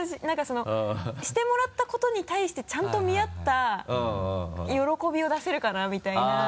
何かそのしてもらったことに対してちゃんと見合った喜びを出せるかな？みたいな。